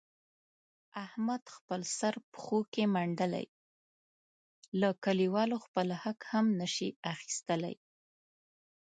احمد خپل سر پښو کې منډلی، له کلیوالو خپل حق هم نشي اخستلای.